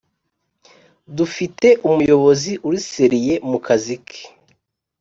dufite umuyobozi uri seriye mukazi ke